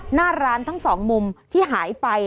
หน้าร้านทั้งสองมุมที่หายไป